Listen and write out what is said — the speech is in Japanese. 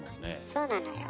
そうなのよ。